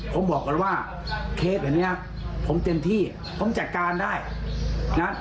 ผมบอกก่อนว่าเคสแบบนี้ผมเต็มที่ผมจัดการได้นะ